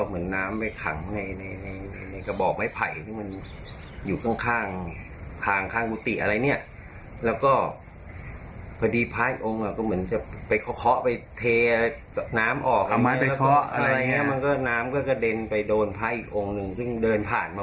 มันคล้ายปืนนะมันไม่ใช่นะครับ